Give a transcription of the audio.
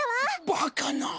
バカな。